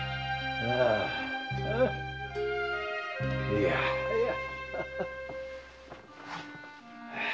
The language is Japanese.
いやはや。